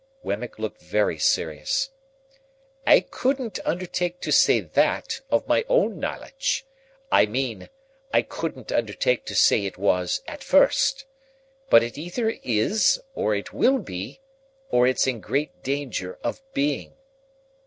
Wemmick looked very serious. "I couldn't undertake to say that, of my own knowledge. I mean, I couldn't undertake to say it was at first. But it either is, or it will be, or it's in great danger of being."